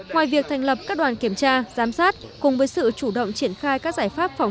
ngoài việc thành lập các đoàn kiểm tra giám sát cùng với sự chủ động triển khai các giải pháp phòng